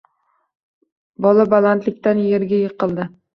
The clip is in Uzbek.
Bola balandlikdan yerga yiqildi.